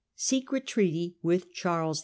Secret Treaty with Charles II.